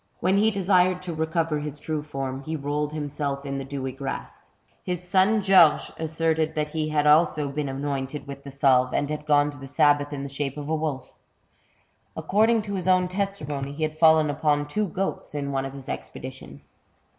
When he desired to recover his true form, he rolled himself in the dewy grass. His son Georges asserted that he had also been anointed with the salve, and had gone to the sabbath in the shape of a wolf. According to his own testimony, he had fallen upon two goats in one of his expeditions.